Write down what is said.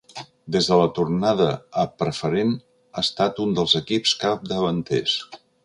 Des de la tornada a Preferent ha estat un dels equips capdavanters.